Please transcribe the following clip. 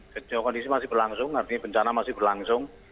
sejauh kondisi masih berlangsung artinya bencana masih berlangsung